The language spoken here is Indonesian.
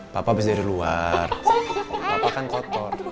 papa habis dari luar papa kan kotor